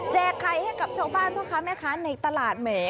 ไข่ให้กับชาวบ้านพ่อค้าแม่ค้าในตลาดแหม